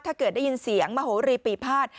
ถ้าเกิดได้ยินเสียงมโหรีปีภาษ